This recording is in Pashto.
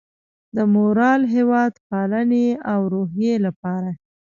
د مورال، هیواد پالنې او روحیې لپاره